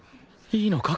いいのか？